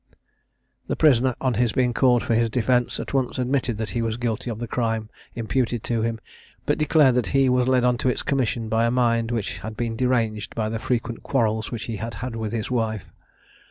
The prisoner, on his being called on for his defence, at once admitted that he was guilty of the crime imputed to him, but declared that he was led on to its commission by a mind which had been deranged by the frequent quarrels which he had with his wife.